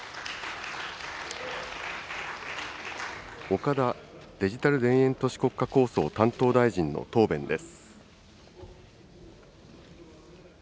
岡田デジタル田園都市国家構想担当大臣の答弁です。